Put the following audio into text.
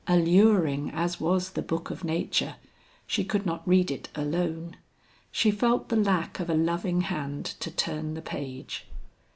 Alluring as was the book of nature, she could not read it alone. She felt the lack of a loving hand to turn the page.